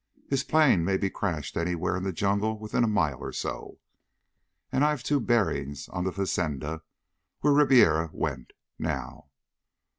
His plane may be crashed anywhere in the jungle within a mile or so. And I've two bearings on the fazenda where Ribiera went, now.